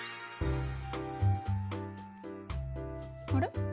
あれ？